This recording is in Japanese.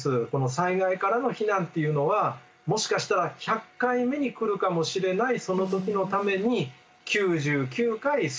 災害からの避難というのはもしかしたら１００回目に来るかもしれないその時のために９９回素振りをするんだ。